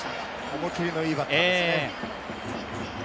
思い切りのいいバッターですね。